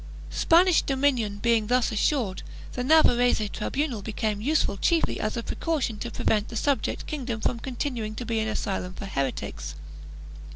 1 Spanish domination being thus assured, the Navarrese tribunal became useful chiefly as a precaution to prevent the subject kingdom from continuing to be an asylum for heretics.